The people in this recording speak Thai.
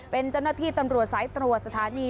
เป็นเจ้าหน้าที่ตำรวจสายตรวจสถานี